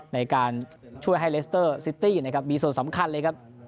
ในการช่วยให้เลสเตอร์ซิตี้นะครับมีส่วนสำคัญเลยครับ